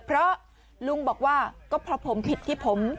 เพราะลุงบอกว่าก็เพราะผมผิดที่ผม